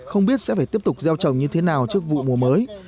không biết sẽ phải tiếp tục gieo trồng như thế nào trước vụ mùa mới